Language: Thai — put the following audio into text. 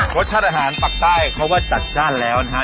รสชาติอาหารปากใต้เขาว่าจัดจ้านแล้วนะฮะ